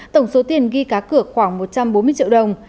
tổng số tiền ghi cá cửa khoảng một trăm bốn mươi triệu đồng